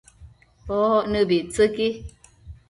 oc nëbictsëqui